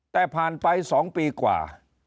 แต่ผ่านไป๒ปีกว่า